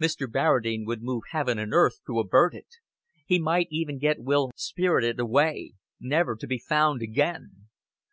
Mr. Barradine would move heaven and earth to avert it. He might even get Will spirited away, never to be found again!